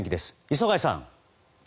磯貝さん。